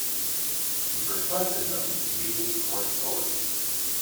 He requested them to be his court poets.